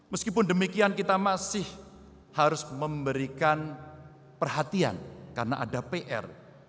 meskipun demikian kita masih harus memberikan perhatian karena ada pr